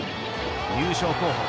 優勝候補